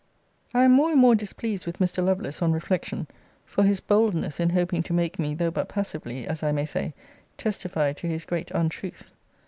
I am more and more displeased with Mr. Lovelace, on reflection, for his boldness in hoping to make me, though but passively, as I may say, testify to his great untruth.